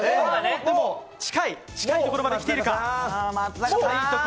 近いところまで来ているか。